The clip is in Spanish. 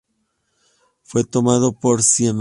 Fue tomado por Siemens.